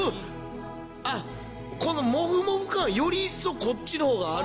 あっこのモフモフ感より一層こっちの方がある。